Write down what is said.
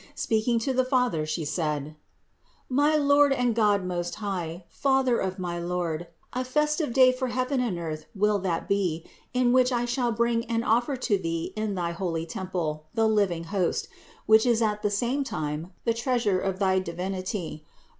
Speaking to the Father She said: "My Lord and God most high, Father of my Lord, a festive day for heaven and earth will be that, in which I shall bring and offer to Thee in thy holy temple the living Host, which is at the same time the Treasure of thy Divinity.